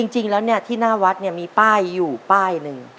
จริงแล้วที่หน้าวัดมีป้ายอยู่ป้ายหนึ่ง